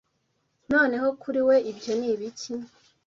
noneho kuri we ibyo ni ibiki